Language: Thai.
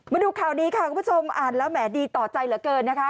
มาดูข่าวนี้ค่ะคุณผู้ชมอ่านแล้วแหมดีต่อใจเหลือเกินนะคะ